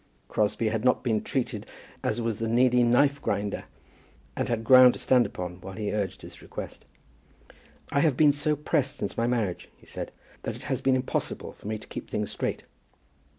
Crosbie had not been treated as was the needy knife grinder, and had ground to stand upon while he urged his request. "I have been so pressed since my marriage," he said, "that it has been impossible for me to keep things straight."